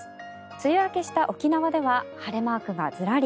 梅雨明けした沖縄では晴れマークがずらり。